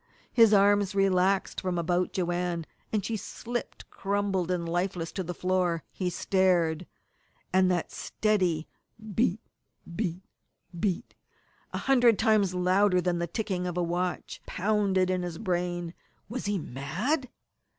His arms relaxed from about Joanne, and she slipped crumpled and lifeless to the floor. He stared and that steady beat beat beat a hundred times louder than the ticking of a watch pounded in his brain. Was he mad?